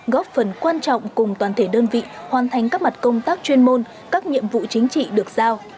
góp phần quan trọng cùng toàn thể đơn vị hoàn thành các mặt công tác chuyên môn các nhiệm vụ chính trị được giao